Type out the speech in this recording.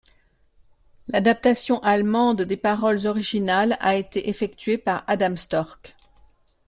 L'adaptation allemande des paroles originales a été effectuée par Adam Storck.